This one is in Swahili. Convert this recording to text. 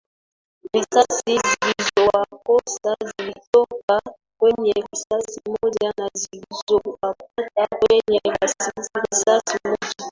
risasi zilizowakosa zilitoka kwenye risasi moja na zilizowapata kwenye risasi moja